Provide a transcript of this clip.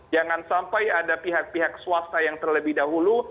jangan sampai ada pihak pihak swasta yang terlebih dahulu